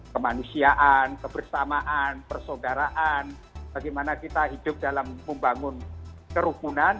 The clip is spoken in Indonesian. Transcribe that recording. kemanusiaan kebersamaan persaudaraan bagaimana kita hidup dalam pembangun kerupunan